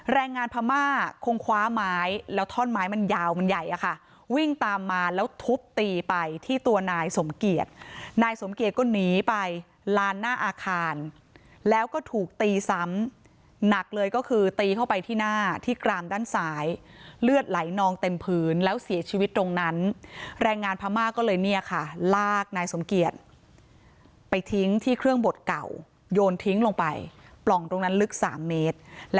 แรงงานพม่าคงคว้าไม้แล้วท่อนไม้มันยาวมันใหญ่อะค่ะวิ่งตามมาแล้วทุบตีไปที่ตัวนายสมเกียจนายสมเกียจก็หนีไปลานหน้าอาคารแล้วก็ถูกตีซ้ำหนักเลยก็คือตีเข้าไปที่หน้าที่กรามด้านซ้ายเลือดไหลนองเต็มพื้นแล้วเสียชีวิตตรงนั้นแรงงานพม่าก็เลยเนี่ยค่ะลากนายสมเกียจไปทิ้งที่เครื่องบดเก่าโยนทิ้งลงไปปล่องตรงนั้นลึก๓เมตร